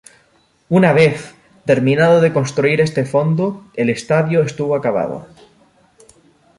Una vez terminado de construir este fondo, el estadio estuvo acabado.